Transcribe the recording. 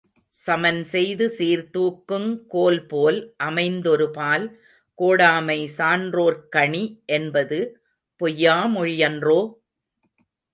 சமன் செய்து சீர்தூக்குங் கோல்போல் அமைந் தொருபால் கோடாமை சான்றோர்க் கணி, என்பது பொய்யா மொழியன்றோ?